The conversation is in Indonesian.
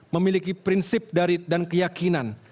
memiliki prinsip dan keyakinan